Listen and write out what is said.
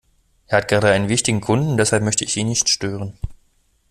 Er hat gerade einen wichtigen Kunden, deshalb möchte ich ihn nicht stören.